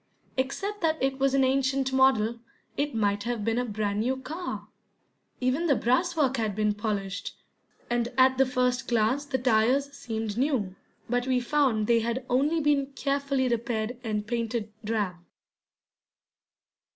Except that it was an ancient model, it might have been a brand new car. Even the brasswork had been polished, and at the first glance the tires seemed new, but we found they had only been carefully repaired and painted drab.